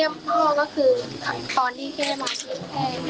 อยากให้สังคมรับรู้ด้วย